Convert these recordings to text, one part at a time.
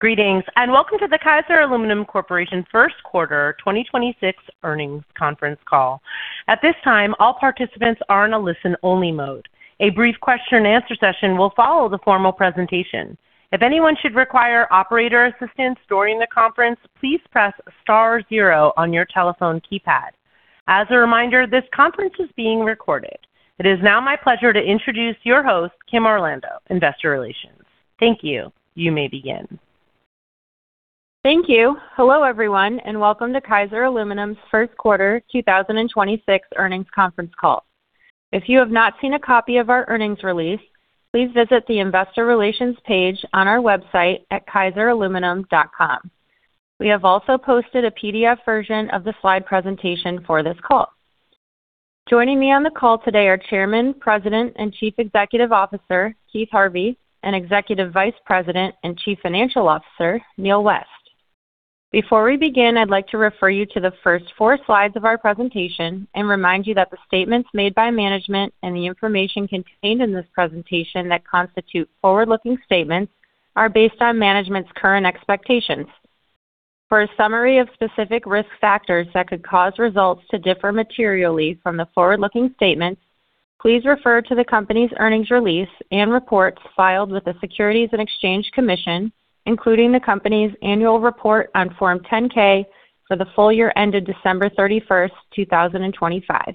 Greetings, and welcome to the Kaiser Aluminum Corporation first quarter 2026 earnings conference call. At this time, all participants are in a listen-only mode. A brief question and answer session will follow the formal presentation. If anyone should require operator assistance during the conference, please press star zero on your telephone keypad. As a reminder, this conference is being recorded. It is now my pleasure to introduce your host, Kim Orlando, Investor Relations. Thank you. You may begin. Thank you. Hello, everyone, and welcome to Kaiser Aluminum's first quarter 2026 earnings conference call. If you have not seen a copy of our earnings release, please visit the investor relations page on our website at kaiseraluminum.com. We have also posted a PDF version of the slide presentation for this call. Joining me on the call today are Chairman, President, and Chief Executive Officer, Keith Harvey, and Executive Vice President and Chief Financial Officer, Neal West. Before we begin, I'd like to refer you to the first four slides of our presentation and remind you that the statements made by management and the information contained in this presentation that constitute forward-looking statements are based on management's current expectations. For a summary of specific risk factors that could cause results to differ materially from the forward-looking statements, please refer to the company's earnings release and reports filed with the Securities and Exchange Commission, including the company's annual report on Form 10-K for the full year ended December 31st, 2025.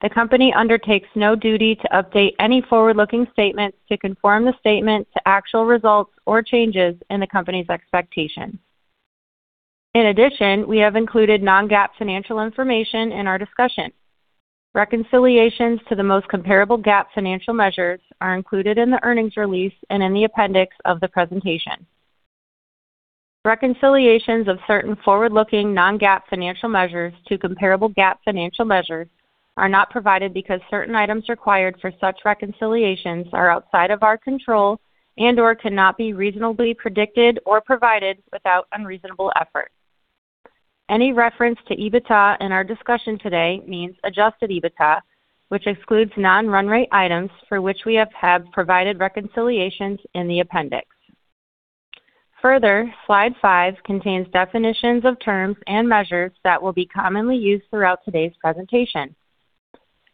The company undertakes no duty to update any forward-looking statements to conform the statement to actual results or changes in the company's expectations. In addition, we have included non-GAAP financial information in our discussion. Reconciliations to the most comparable GAAP financial measures are included in the earnings release and in the appendix of the presentation. Reconciliations of certain forward-looking non-GAAP financial measures to comparable GAAP financial measures are not provided because certain items required for such reconciliations are outside of our control and/or cannot be reasonably predicted or provided without unreasonable effort. Any reference to EBITDA in our discussion today means adjusted EBITDA, which excludes non-run rate items for which we have had provided reconciliations in the appendix. Further, slide five contains definitions of terms and measures that will be commonly used throughout today's presentation.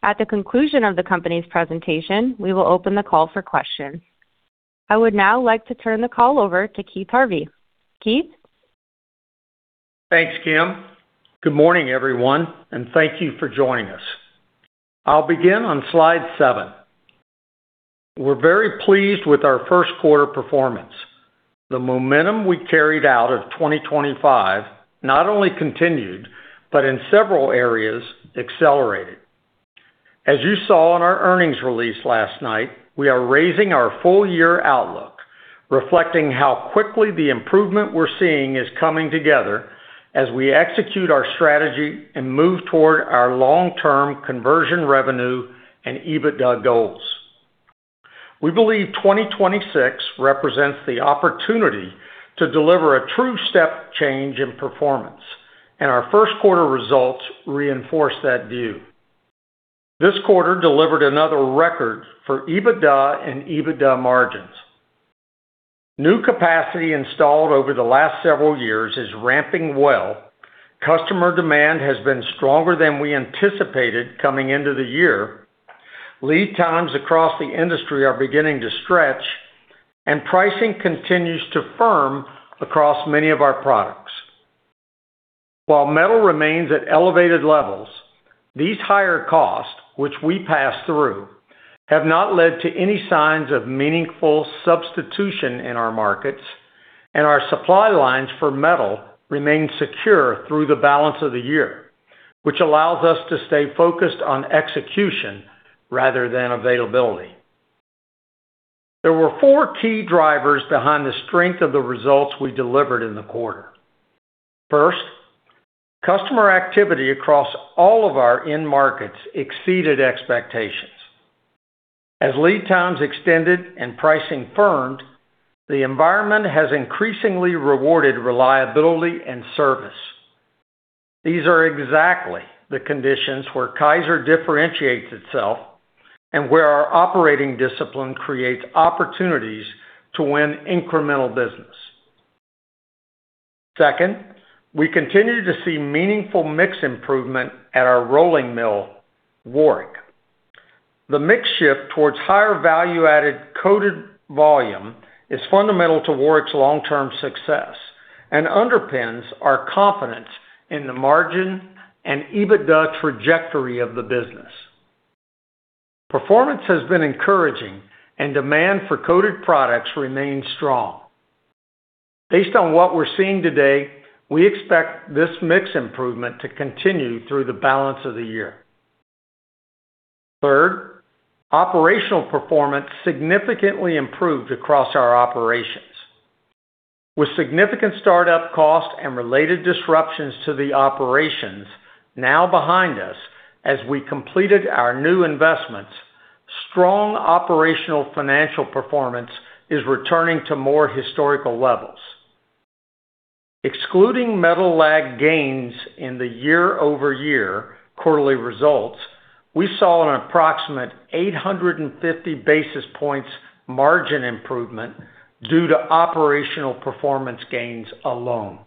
At the conclusion of the company's presentation, we will open the call for questions. I would now like to turn the call over to Keith Harvey. Keith? Thanks, Kim. Good morning, everyone, and thank you for joining us. I'll begin on slide seven. We're very pleased with our first quarter performance. The momentum we carried out of 2025 not only continued, but in several areas accelerated. As you saw in our earnings release last night, we are raising our full year outlook, reflecting how quickly the improvement we're seeing is coming together as we execute our strategy and move toward our long-term conversion revenue and EBITDA goals. We believe 2026 represents the opportunity to deliver a true step change in performance, and our first quarter results reinforce that view. This quarter delivered another record for EBITDA and EBITDA margins. New capacity installed over the last several years is ramping well, customer demand has been stronger than we anticipated coming into the year, lead times across the industry are beginning to stretch, and pricing continues to firm across many of our products. While metal remains at elevated levels, these higher costs, which we pass through, have not led to any signs of meaningful substitution in our markets, and our supply lines for metal remain secure through the balance of the year, which allows us to stay focused on execution rather than availability. There were four key drivers behind the strength of the results we delivered in the quarter. First, customer activity across all of our end markets exceeded expectations. As lead times extended and pricing firmed, the environment has increasingly rewarded reliability and service. These are exactly the conditions where Kaiser differentiates itself and where our operating discipline creates opportunities to win incremental business. Second, we continued to see meaningful mix improvement at our rolling mill, Warrick. The mix shift towards higher value-added coated volume is fundamental to Warrick's long-term success and underpins our confidence in the margin and EBITDA trajectory of the business. Performance has been encouraging and demand for coated products remains strong. Based on what we're seeing today, we expect this mix improvement to continue through the balance of the year. Third, operational performance significantly improved across our operations. With significant startup costs and related disruptions to the operations now behind us as we completed our new investments, strong operational financial performance is returning to more historical levels. Excluding metal lag gains in the year-over-year quarterly results, we saw an approximate 850 basis points margin improvement due to operational performance gains alone.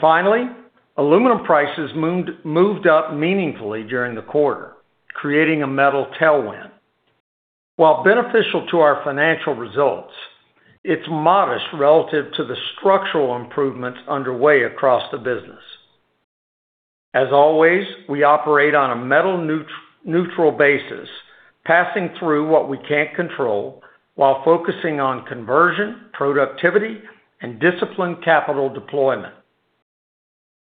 Finally, aluminum prices moved up meaningfully during the quarter, creating a metal tailwind. While beneficial to our financial results, it's modest relative to the structural improvements underway across the business. As always, we operate on a metal neutral basis, passing through what we can't control while focusing on conversion, productivity, and disciplined capital deployment.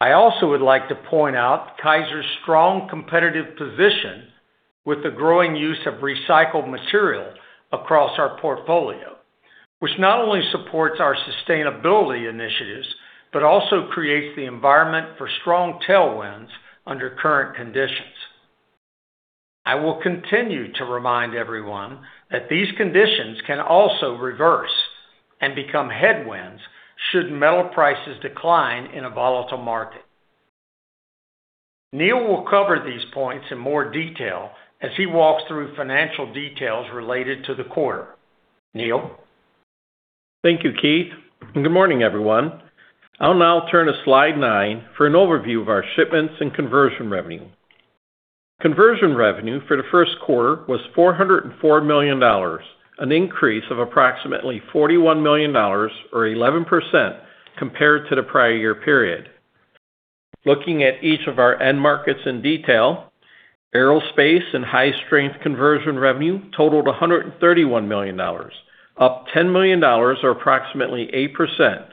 I also would like to point out Kaiser's strong competitive position with the growing use of recycled material across our portfolio, which not only supports our sustainability initiatives, but also creates the environment for strong tailwinds under current conditions. I will continue to remind everyone that these conditions can also reverse and become headwinds should metal prices decline in a volatile market. Neal will cover these points in more detail as he walks through financial details related to the quarter. Neal. Thank you, Keith, and good morning, everyone. I'll now turn to slide nine for an overview of our shipments and conversion revenue. Conversion revenue for the first quarter was $404 million, an increase of approximately $41 million or 11% compared to the prior year period. Looking at each of our end markets in detail, Aerospace and High Strength conversion revenue totaled $131 million, up $10 million or approximately 8%,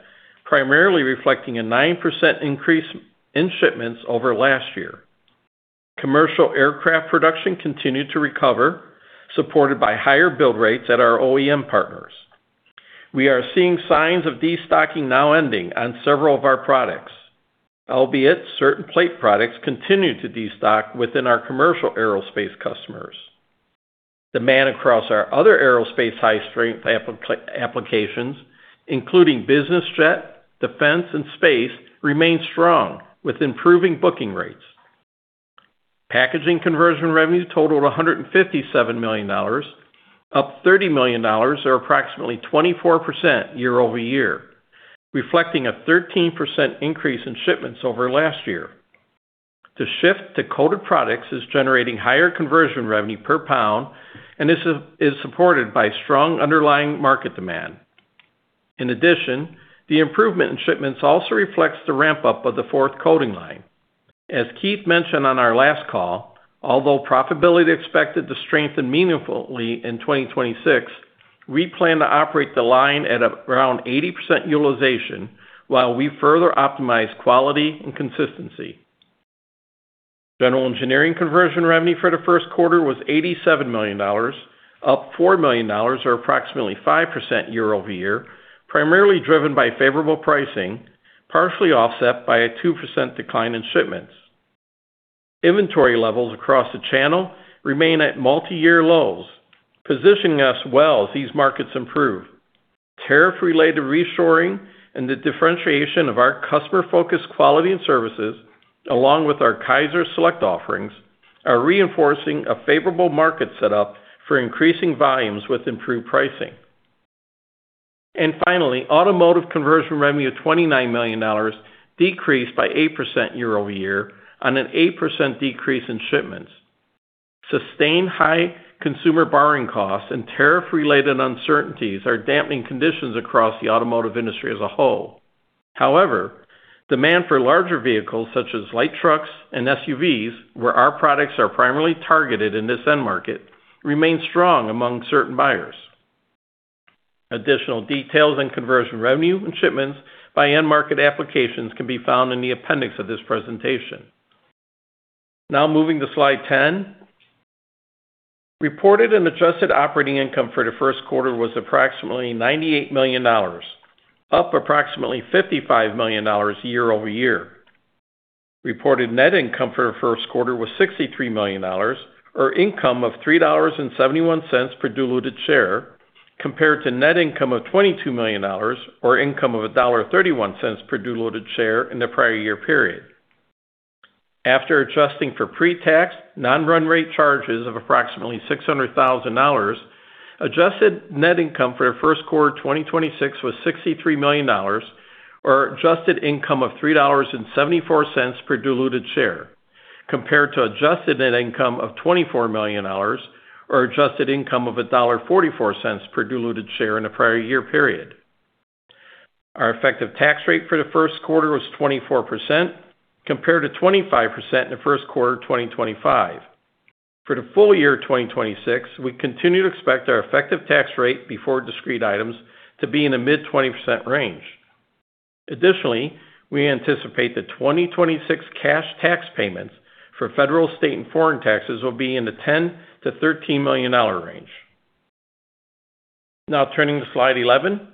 primarily reflecting a 9% increase in shipments over last year. Commercial aircraft production continued to recover, supported by higher build rates at our OEM partners. We are seeing signs of destocking now ending on several of our products, albeit certain plate products continue to destock within our commercial Aerospace customers. Demand across our other Aerospace High Strength applications, including business jet, defense, and space, remain strong with improving booking rates. Packaging conversion revenues totaled $157 million, up $30 million or approximately 24% year-over-year, reflecting a 13% increase in shipments over last year. The shift to coated products is generating higher conversion revenue per pound, and this is supported by strong underlying market demand. In addition, the improvement in shipments also reflects the ramp-up of the fourth coating line. As Keith mentioned on our last call, although profitability is expected to strengthen meaningfully in 2026, we plan to operate the line at around 80% utilization while we further optimize quality and consistency. General engineering conversion revenue for the first quarter was $87 million, up $4 million or approximately 5% year-over-year, primarily driven by favorable pricing, partially offset by a 2% decline in shipments. Inventory levels across the channel remain at multi-year lows, positioning us well as these markets improve. Tariff-related reshoring and the differentiation of our customer-focused quality and services, along with our Kaiser Select offerings, are reinforcing a favorable market setup for increasing volumes with improved pricing. Finally, automotive conversion revenue of $29 million decreased by 8% year-over-year on an 8% decrease in shipments. Sustained high consumer borrowing costs and tariff-related uncertainties are damping conditions across the automotive industry as a whole. However, demand for larger vehicles such as light trucks and SUVs, where our products are primarily targeted in this end market, remain strong among certain buyers. Additional details and conversion revenue and shipments by end market applications can be found in the appendix of this presentation. Now moving to slide 10. Reported and adjusted operating income for the first quarter was approximately $98 million, up approximately $55 million year-over-year. Reported net income for the first quarter was $63 million, or income of $3.71 per diluted share, compared to net income of $22 million, or income of $1.31 per diluted share in the prior year period. After adjusting for pre-tax non-run rate charges of approximately $600,000, adjusted net income for the first quarter 2026 was $63 million, or adjusted income of $3.74 per diluted share, compared to adjusted net income of $24 million, or adjusted income of $1.44 per diluted share in the prior year period. Our effective tax rate for the first quarter was 24%, compared to 25% in the first quarter of 2025. For the full year 2026, we continue to expect our effective tax rate before discrete items to be in the mid-20% range. Additionally, we anticipate the 2026 cash tax payments for federal, state, and foreign taxes will be in the $10 million-$13 million range. Now turning to Slide 11.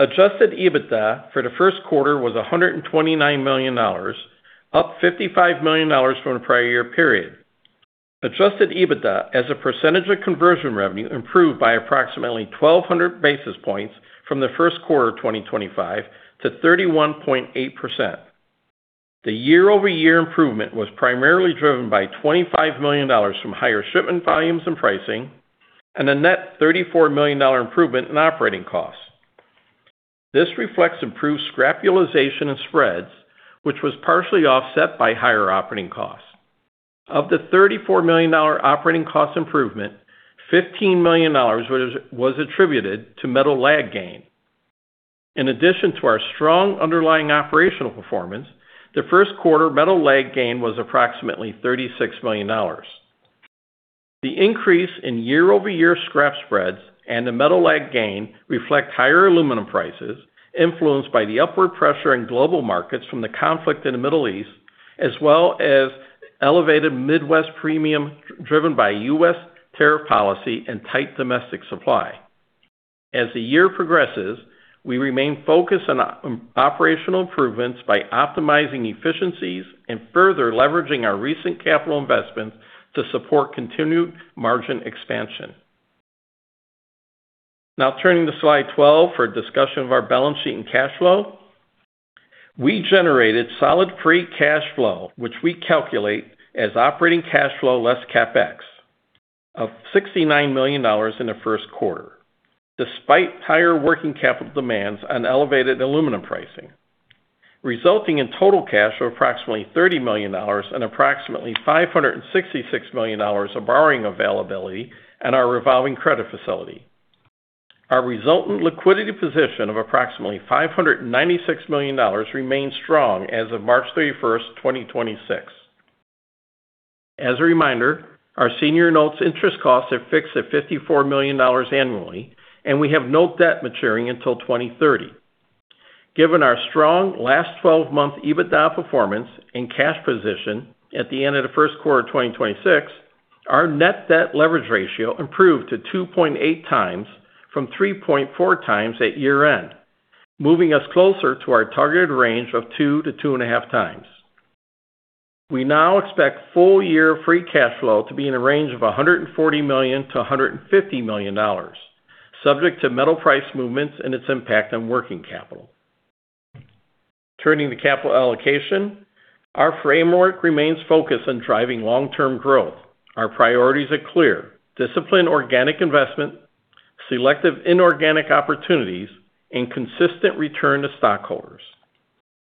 Adjusted EBITDA for the first quarter was $129 million, up $55 million from the prior year period. Adjusted EBITDA as a percentage of conversion revenue improved by approximately 1,200 basis points from the first quarter of 2025 to 31.8%. The year-over-year improvement was primarily driven by $25 million from higher shipment volumes and pricing, and a net $34 million improvement in operating costs. This reflects improved scrap utilization and spreads, which was partially offset by higher operating costs. Of the $34 million operating cost improvement, $15 million was attributed to metal lag gain. In addition to our strong underlying operational performance, the first quarter metal lag gain was approximately $36 million. The increase in year-over-year scrap spreads and the metal lag gain reflect higher aluminum prices, influenced by the upward pressure in global markets from the conflict in the Middle East, as well as elevated Midwest premium driven by U.S. tariff policy and tight domestic supply. As the year progresses, we remain focused on operational improvements by optimizing efficiencies and further leveraging our recent capital investments to support continued margin expansion. Now turning to Slide 12 for a discussion of our balance sheet and cash flow. We generated solid free cash flow, which we calculate as operating cash flow less CapEx, of $69 million in the first quarter, despite higher working capital demands on elevated aluminum pricing, resulting in total cash of approximately $30 million and approximately $566 million of borrowing availability in our revolving credit facility. Our resultant liquidity position of approximately $596 million remains strong as of March 31st, 2026. As a reminder, our senior notes interest costs are fixed at $54 million annually, and we have no debt maturing until 2030. Given our strong last 12-month EBITDA performance and cash position at the end of the first quarter of 2026, our net debt leverage ratio improved to 2.8 times from 3.4 times at year-end, moving us closer to our targeted range of 2-2.5 times. We now expect full-year free cash flow to be in a range of $140 million-$150 million, subject to metal price movements and its impact on working capital. Turning to capital allocation, our framework remains focused on driving long-term growth. Our priorities are clear. Disciplined organic investment, selective inorganic opportunities, and consistent return to stockholders.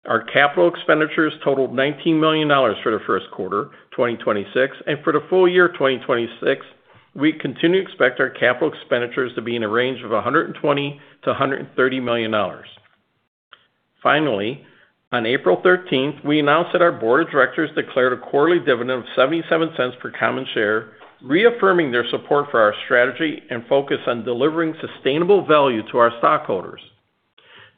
Our capital expenditures totaled $19 million for the first quarter 2026, and for the full year 2026, we continue to expect our capital expenditures to be in a range of $120-$130 million. Finally, on April 13th, we announced that our board of directors declared a quarterly dividend of $0.77 per common share, reaffirming their support for our strategy and focus on delivering sustainable value to our stockholders.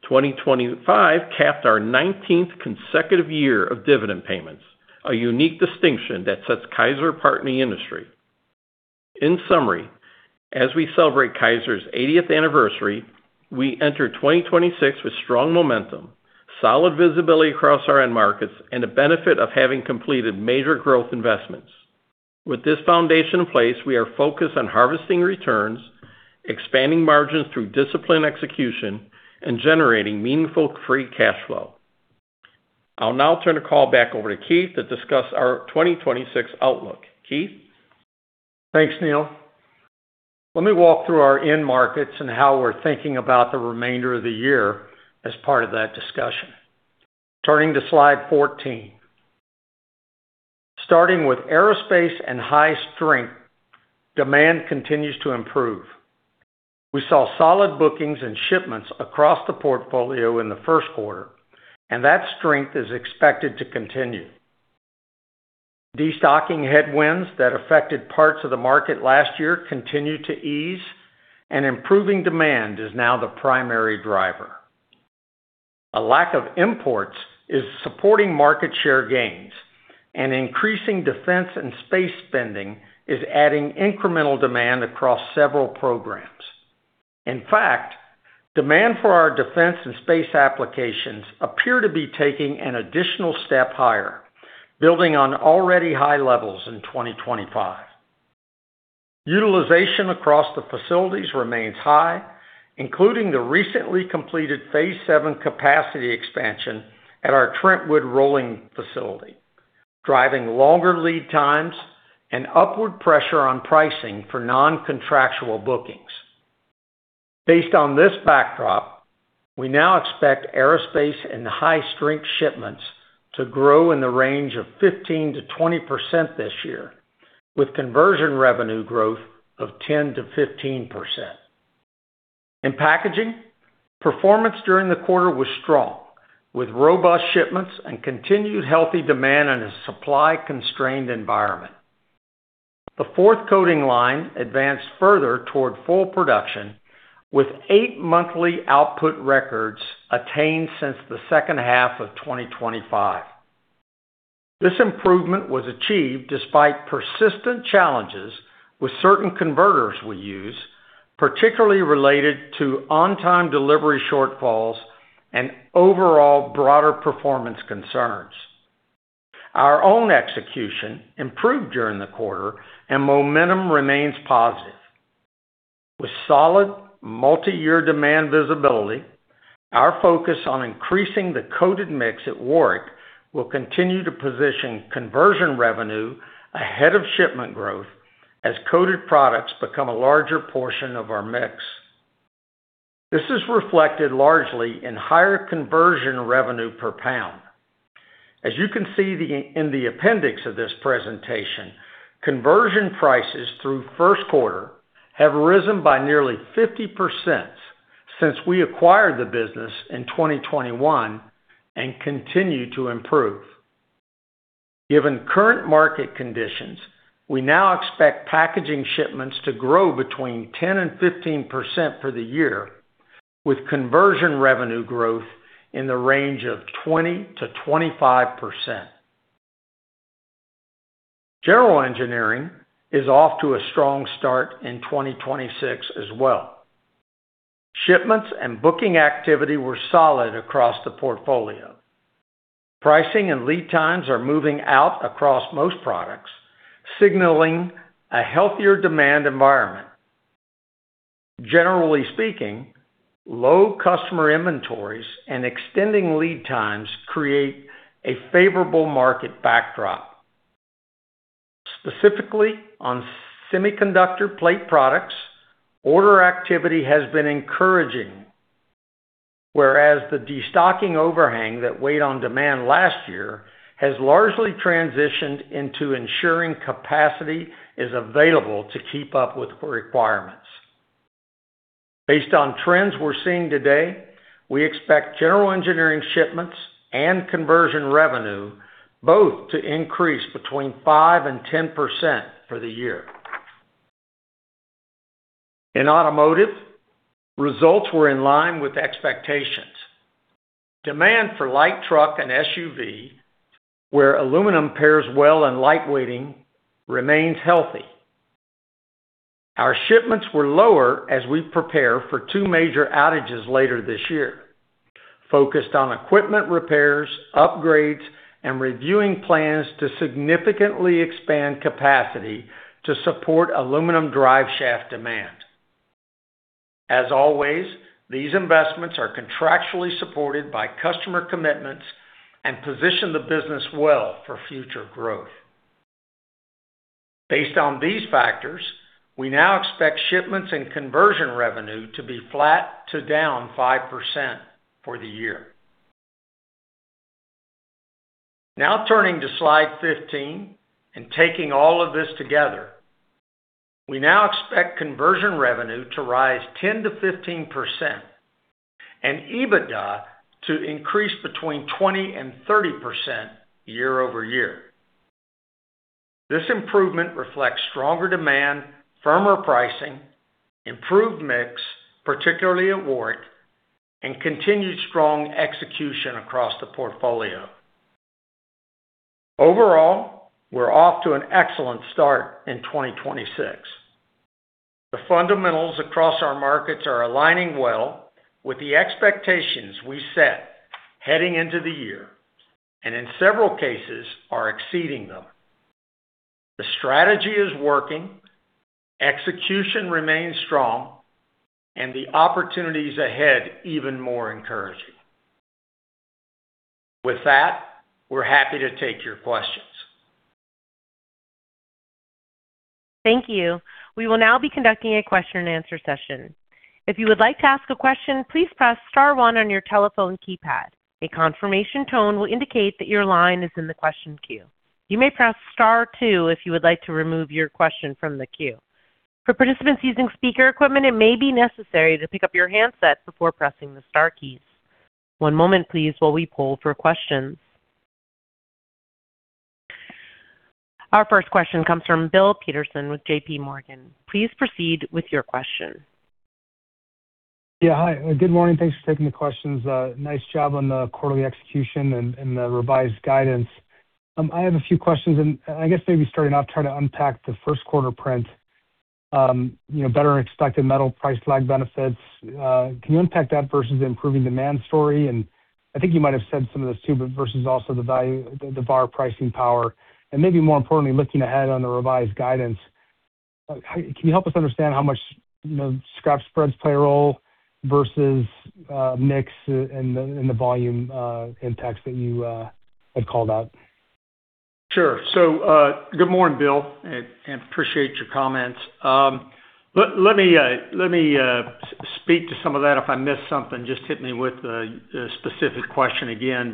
2025 capped our 19th consecutive year of dividend payments, a unique distinction that sets Kaiser apart in the industry. In summary, as we celebrate Kaiser's 80th anniversary, we enter 2026 with strong momentum, solid visibility across our end markets, and the benefit of having completed major growth investments. With this foundation in place, we are focused on harvesting returns, expanding margins through disciplined execution, and generating meaningful free cash flow. I'll now turn the call back over to Keith to discuss our 2026 outlook. Keith? Thanks, Neal. Let me walk through our end markets and how we're thinking about the remainder of the year as part of that discussion. Turning to slide 14. Starting with aerospace and high strength, demand continues to improve. We saw solid bookings and shipments across the portfolio in the first quarter, and that strength is expected to continue. Destocking headwinds that affected parts of the market last year continue to ease, and improving demand is now the primary driver. A lack of imports is supporting market share gains, and increasing defense and space spending is adding incremental demand across several programs. In fact, demand for our defense and space applications appear to be taking an additional step higher, building on already high levels in 2025. Utilization across the facilities remains high, including the recently completed Phase VII capacity expansion at our Trentwood rolling facility, driving longer lead times and upward pressure on pricing for non-contractual bookings. Based on this backdrop, we now expect aerospace and high strength shipments to grow in the range of 15%-20% this year, with conversion revenue growth of 10%-15%. In packaging, performance during the quarter was strong, with robust shipments and continued healthy demand in a supply-constrained environment. The fourth coating line advanced further toward full production, with eight monthly output records attained since the second half of 2025. This improvement was achieved despite persistent challenges with certain converters we use. Particularly related to on-time delivery shortfalls and overall broader performance concerns. Our own execution improved during the quarter and momentum remains positive. With solid multi-year demand visibility, our focus on increasing the coated mix at Warrick will continue to position conversion revenue ahead of shipment growth as coated products become a larger portion of our mix. This is reflected largely in higher conversion revenue per pound. As you can see in the appendix of this presentation, conversion prices through first quarter have risen by nearly 50% since we acquired the business in 2021 and continue to improve. Given current market conditions, we now expect packaging shipments to grow between 10%-15% for the year, with conversion revenue growth in the range of 20%-25%. General engineering is off to a strong start in 2026 as well. Shipments and booking activity were solid across the portfolio. Pricing and lead times are moving out across most products, signaling a healthier demand environment. Generally speaking, low customer inventories and extending lead times create a favorable market backdrop. Specifically, on semiconductor plate products, order activity has been encouraging, whereas the destocking overhang that weighed on demand last year has largely transitioned into ensuring capacity is available to keep up with requirements. Based on trends we're seeing today, we expect general engineering shipments and conversion revenue both to increase between 5%-10% for the year. In automotive, results were in line with expectations. Demand for light truck and SUV, where aluminum pairs well in lightweighting, remains healthy. Our shipments were lower as we prepare for 2 major outages later this year, focused on equipment repairs, upgrades, and reviewing plans to significantly expand capacity to support aluminum driveshaft demand. As always, these investments are contractually supported by customer commitments and position the business well for future growth. Based on these factors, we now expect shipments and conversion revenue to be flat to down 5% for the year. Now turning to slide 15, and taking all of this together, we now expect conversion revenue to rise 10%-15% and EBITDA to increase between 20% and 30% year-over-year. This improvement reflects stronger demand, firmer pricing, improved mix, particularly at Warrick, and continued strong execution across the portfolio. Overall, we're off to an excellent start in 2026. The fundamentals across our markets are aligning well with the expectations we set heading into the year, and in several cases are exceeding them. The strategy is working, execution remains strong, and the opportunities ahead even more encouraging. With that, we're happy to take your questions. Thank you. We will now be conducting a question and answer session. If you would like to ask a question, please press star one on your telephone keypad. A confirmation tone will indicate that your line is in the question queue. You may press star two if you would like to remove your question from the queue. For participants using speaker equipment, it may be necessary to pick up your handset before pressing the star keys. One moment, please, while we poll for questions. Our first question comes from Bill Peterson with JPMorgan. Please proceed with your question. Yeah. Hi, good morning. Thanks for taking the questions. Nice job on the quarterly execution and the revised guidance. I have a few questions, and I guess maybe starting off trying to unpack the first quarter print, better than expected metal price lag benefits. Can you unpack that versus improving demand story? I think you might've said some of this too, but versus also the bar pricing power. Maybe more importantly, looking ahead on the revised guidance, can you help us understand how much scrap spreads play a role versus mix in the volume impacts that you had called out? Sure. Good morning, Bill, and appreciate your comments. Let me speak to some of that. If I miss something, just hit me with the specific question again.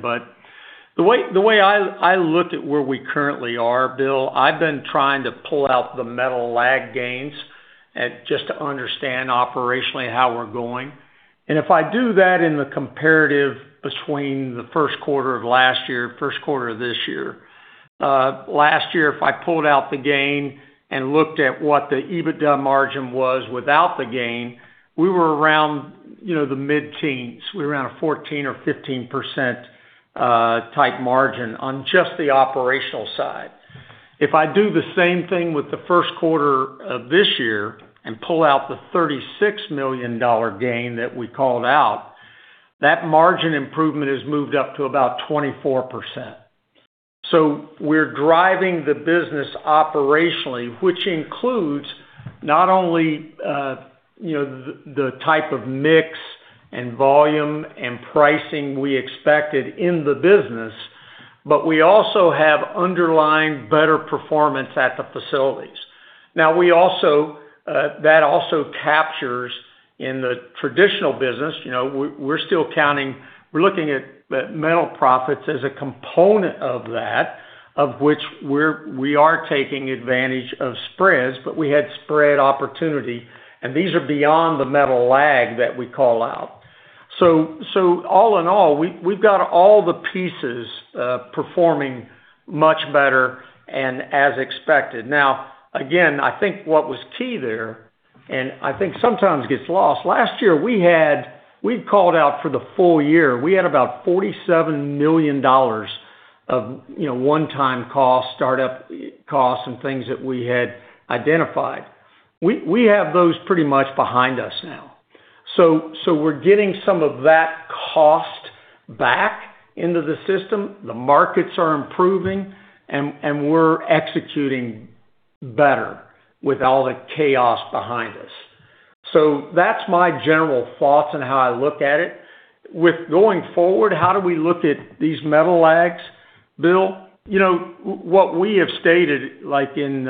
The way I look at where we currently are, Bill, I've been trying to pull out the metal lag gains just to understand operationally how we're going if I do that in the comparative between the first quarter of last year, first quarter of this year. Last year, if I pulled out the gain and looked at what the EBITDA margin was without the gain, we were around the mid-teens. We were around a 14% or 15% type margin on just the operational side. If I do the same thing with the first quarter of this year and pull out the $36 million gain that we called out, that margin improvement has moved up to about 24%. We're driving the business operationally, which includes not only the type of mix and volume and pricing we expected in the business, but we also have underlying better performance at the facilities. That also captures in the traditional business. We're still counting, we're looking at metal profits as a component of that, of which we are taking advantage of spreads, but we had spread opportunity, and these are beyond the metal lag that we call out. All in all, we've got all the pieces performing much better, and as expected. Again, I think what was key there, and I think sometimes gets lost. Last year we called out for the full year, we had about $47 million of one-time costs, start-up costs, and things that we had identified. We have those pretty much behind us now. We're getting some of that cost back into the system. The markets are improving, and we're executing better with all the chaos behind us. That's my general thoughts on how I look at it. With going forward, how do we look at these metal lags, Bill? What we have stated, like in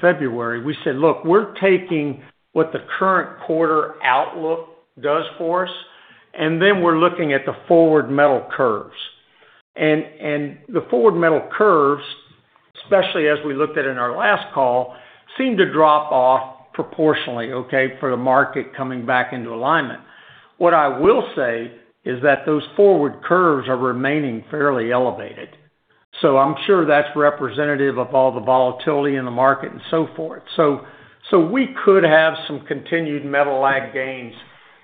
February, we said, "Look, we're taking what the current quarter outlook does for us, and then we're looking at the forward metal curves." The forward metal curves, especially as we looked at in our last call, seem to drop off proportionally, okay, for the market coming back into alignment. What I will say is that those forward curves are remaining fairly elevated. I'm sure that's representative of all the volatility in the market and so forth. We could have some continued metal lag gains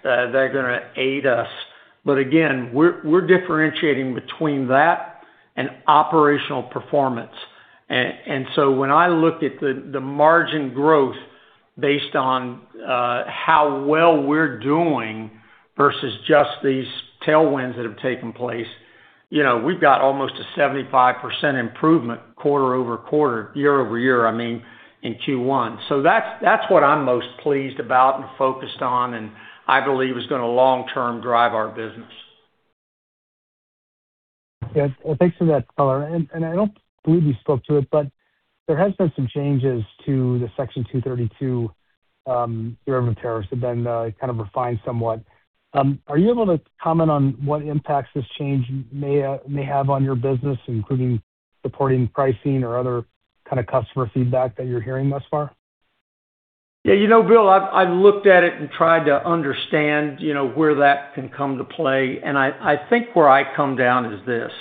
that are going to aid us. again, we're differentiating between that and operational performance. When I look at the margin growth based on how well we're doing versus just these tailwinds that have taken place, we've got almost a 75% improvement quarter-over-quarter, year-over-year, I mean, in Q1. That's what I'm most pleased about and focused on, and I believe is going to long-term drive our business. Yeah. Thanks for that, Keith. I don't believe you spoke to it, but there has been some changes to the Section 232 derivative tariffs have been kind of refined somewhat. Are you able to comment on what impacts this change may have on your business, including supporting pricing or other kind of customer feedback that you're hearing thus far? Yeah, Bill, I've looked at it and tried to understand where that can come into play, and I think where I come down is this.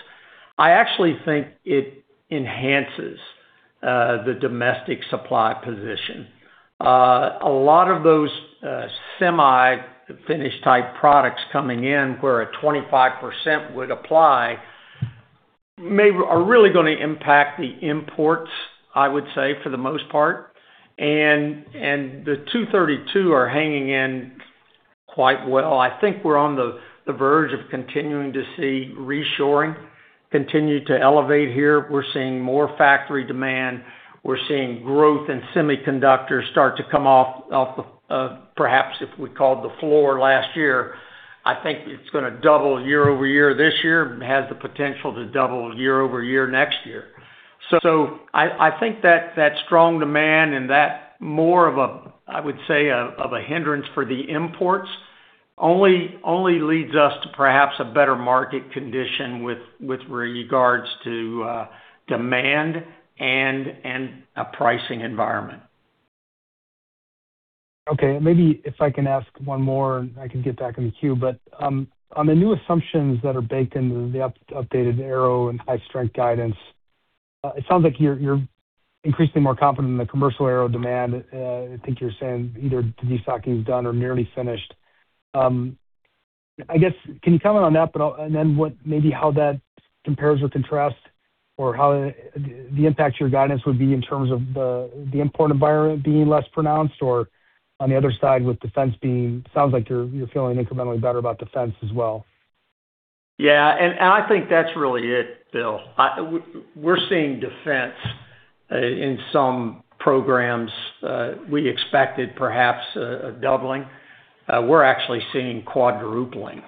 I actually think it enhances the domestic supply position. A lot of those semi-finished type products coming in where a 25% would apply are really going to impact the imports, I would say, for the most part, and the 232 are hanging in quite well. I think we're on the verge of continuing to see reshoring continue to elevate here. We're seeing more factory demand. We're seeing growth in semiconductors start to come off of perhaps if we called the floor last year. I think it's going to double year-over-year this year. It has the potential to double year-over-year next year. I think that strong demand and that more of a, I would say a, of a hindrance for the imports only leads us to perhaps a better market condition with regards to demand and a pricing environment. Okay. Maybe if I can ask one more and I can get back in the queue, but on the new assumptions that are baked into the updated aero and high-strength guidance, it sounds like you're increasingly more confident in the commercial aero demand. I think you're saying either the destocking is done or nearly finished. I guess, can you comment on that, and then what, maybe how that compares or contrasts or how the impact to your guidance would be in terms of the import environment being less pronounced or on the other side with defense being, sounds like you're feeling incrementally better about defense as well. Yeah. I think that's really it, Bill. We're seeing defense in some programs we expected perhaps a doubling. We're actually seeing quadrupling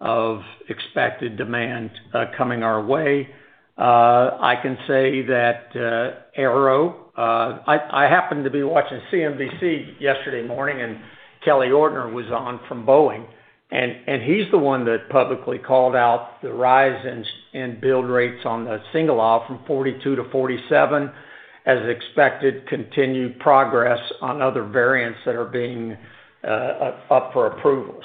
of expected demand coming our way. I can say that aerospace. I happened to be watching CNBC yesterday morning, and Kelly Ortberg was on from Boeing. He's the one that publicly called out the rise in build rates on the Single Aisle from 42-47, as expected, continued progress on other variants that are being up for approval.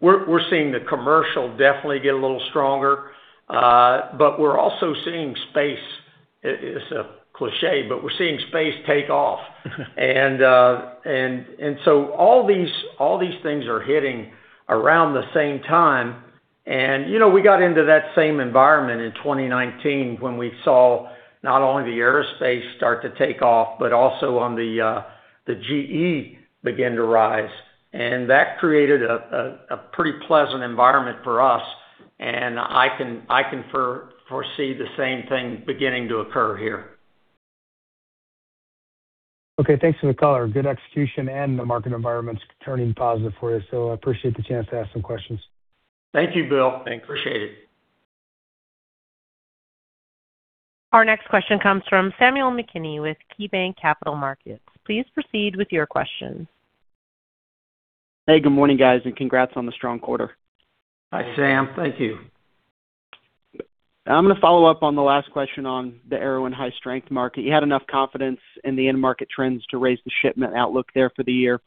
We're seeing the commercial definitely get a little stronger, but we're also seeing space. It's a cliché, but we're seeing space take off. All these things are hitting around the same time. We got into that same environment in 2019 when we saw not only the aerospace start to take off, but also on the GE begin to rise. That created a pretty pleasant environment for us, and I can foresee the same thing beginning to occur here. Okay. Thanks for the color, good execution, and the market environment's turning positive for you. I appreciate the chance to ask some questions. Thank you, Bill. Appreciate it. Our next question comes from Samuel McKinney with KeyBanc Capital Markets. Please proceed with your questions. Hey, good morning, guys, and congrats on the strong quarter. Hi, Sam. Thank you. I'm going to follow up on the last question on the aero and high strength market. You had enough confidence in the end market trends to raise the shipment outlook there for the year.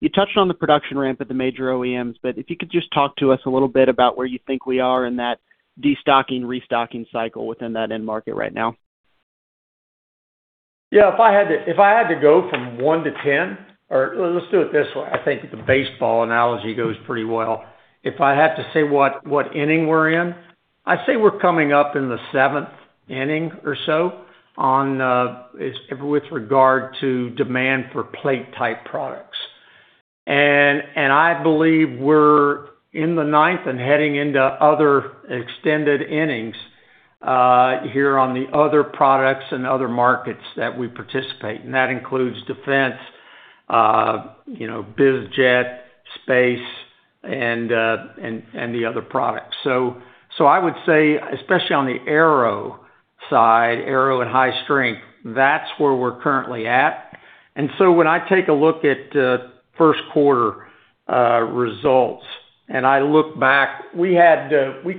You touched on the production ramp at the major OEMs, but if you could just talk to us a little bit about where you think we are in that destocking, restocking cycle within that end market right now. Yeah. If I had to go from 1-10, or let's do it this way, I think the baseball analogy goes pretty well. If I had to say what inning we're in, I'd say we're coming up in the seventh inning or so with regard to demand for plate type products. I believe we're in the ninth and heading into other extended innings here on the other products and other markets that we participate, and that includes defense, biz jet, space, and the other products. I would say, especially on the aero side, aero and high strength, that's where we're currently at. When I take a look at first quarter results, and I look back, we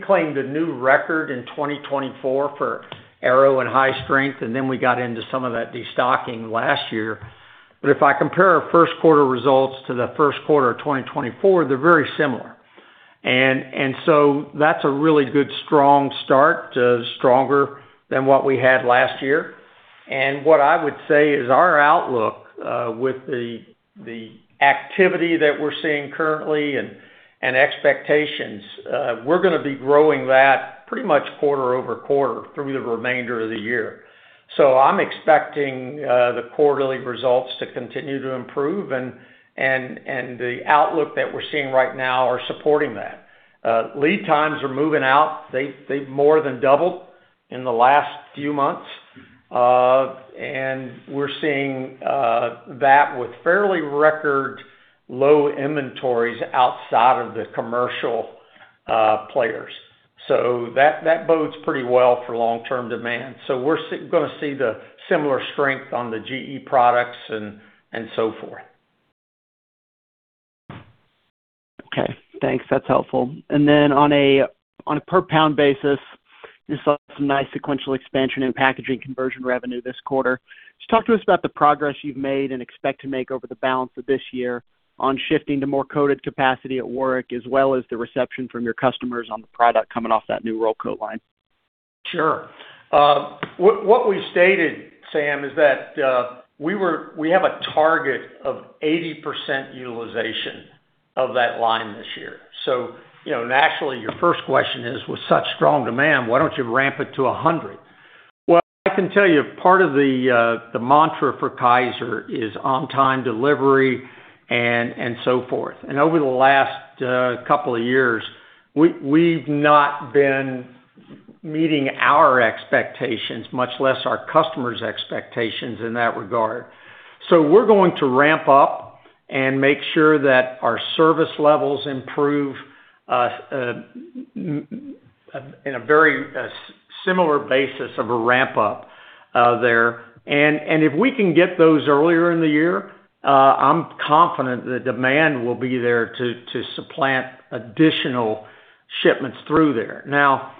claimed a new record in 2024 for aero and high strength, and then we got into some of that destocking last year. If I compare our first quarter results to the first quarter of 2024, they're very similar. That's a really good strong start, stronger than what we had last year. What I would say is our outlook, with the activity that we're seeing currently and expectations, we're gonna be growing that pretty much quarter-over-quarter through the remainder of the year. I'm expecting the quarterly results to continue to improve and the outlook that we're seeing right now are supporting that. Lead times are moving out. They've more than doubled in the last few months. We're seeing that with fairly record low inventories outside of the commercial players. That bodes pretty well for long-term demand. We're going to see the similar strength on the GE products and so forth. Okay, thanks. That's helpful. Then on a per pound basis, you saw some nice sequential expansion in packaging conversion revenue this quarter. Just talk to us about the progress you've made and expect to make over the balance of this year on shifting to more coated capacity at Warrick, as well as the reception from your customers on the product coming off that new roll coating line. Sure. What we stated, Sam, is that we have a target of 80% utilization of that line this year. Naturally, your first question is, with such strong demand, why don't you ramp it to 100? Well, I can tell you part of the mantra for Kaiser is on-time delivery and so forth. Over the last couple of years, we've not been meeting our expectations, much less our customers' expectations in that regard. We're going to ramp up and make sure that our service levels improve in a very similar basis of a ramp up there. If we can get those earlier in the year, I'm confident the demand will be there to supplant additional shipments through there. Now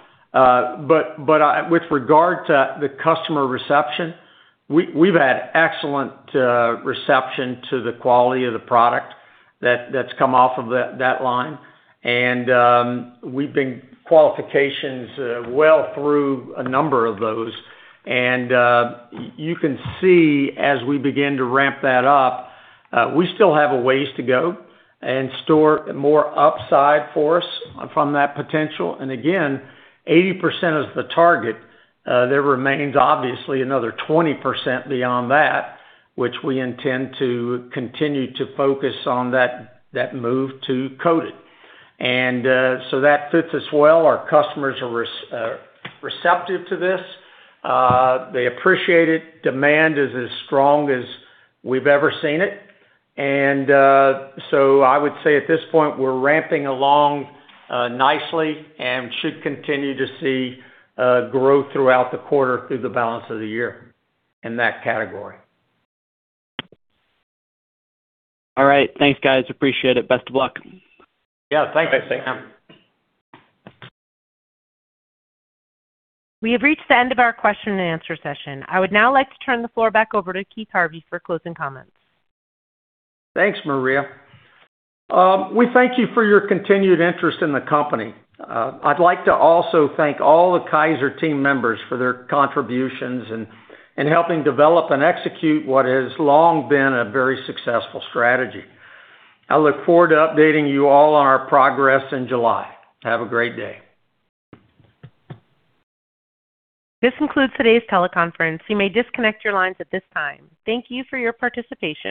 with regard to the customer reception, we've had excellent reception to the quality of the product that's come off of that line. We've been qualifying well through a number of those. You can see as we begin to ramp that up, we still have a ways to go and so there's more upside for us from that potential. Again, 80% is the target. There remains obviously another 20% beyond that, which we intend to continue to focus on that move to coated. That fits us well. Our customers are receptive to this. They appreciate it. Demand is as strong as we've ever seen it. I would say at this point, we're ramping along nicely and should continue to see growth throughout the quarter through the balance of the year in that category. All right. Thanks, guys. Appreciate it. Best of luck. Yeah. Thanks, Sam. We have reached the end of our question and answer session. I would now like to turn the floor back over to Keith Harvey for closing comments. Thanks, Maria. We thank you for your continued interest in the company. I'd like to also thank all the Kaiser team members for their contributions in helping develop and execute what has long been a very successful strategy. I look forward to updating you all on our progress in July. Have a great day. This concludes today's teleconference. You may disconnect your lines at this time. Thank you for your participation.